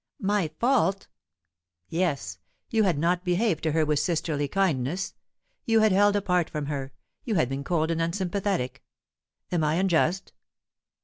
"My fault?" "Yes. You had not behaved to her with sisterly kindness. You had held apart from her; you had been cold and unsympathetic. Am I unjust?"